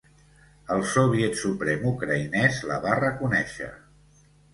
El Soviet Suprem ucraïnès la va reconèixer.